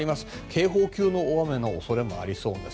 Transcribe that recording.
警報級の大雨の恐れもありそうです。